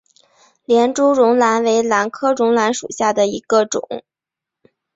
连珠绒兰为兰科绒兰属下的一个种。